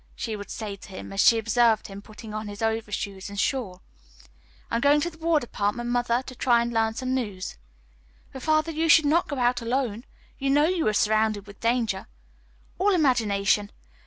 she would say to him, as she observed him putting on his overshoes and shawl. "I am going over to the War Department, mother, to try and learn some news." "But, father, you should not go out alone. You know you are surrounded with danger." "All imagination.